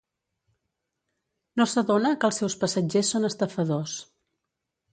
No s'adona que els seus passatgers són estafadors.